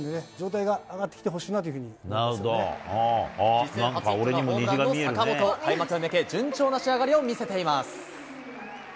実戦初ヒットがホームランの坂本、開幕へ向け、順調な仕上がりを見せています。